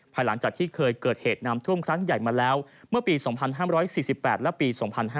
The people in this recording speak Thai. หลังจากที่เคยเกิดเหตุน้ำท่วมครั้งใหญ่มาแล้วเมื่อปี๒๕๔๘และปี๒๕๕๙